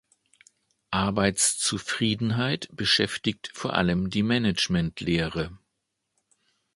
Arbeitszufriedenheit beschäftigt vor allem die Managementlehre.